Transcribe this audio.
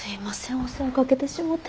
お世話かけてしもて。